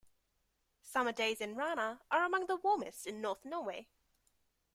Summer days in Rana are among the warmest in North Norway.